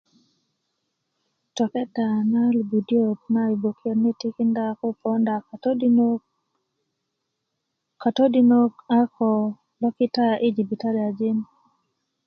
tokenda na lupudiyöt na yi gboke ni tikinda koo ponda a katodinök katodinök a ko lo kita yi jibitaliyajin